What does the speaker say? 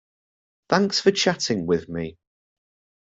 Thanks for chatting with me.